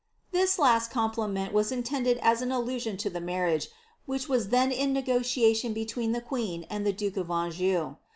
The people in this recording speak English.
'" This lai complimeni was intended as an allusion lo the marriage, which wi then in negotiation between the queen and the duke of Anjou.